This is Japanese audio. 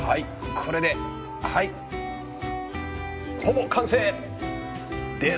これでほぼ完成です！